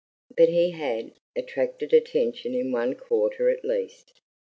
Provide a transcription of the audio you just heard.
But he had attracted attention in one quarter at least.